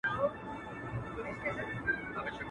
هیڅوک نه وايي چي عقل مرور دی.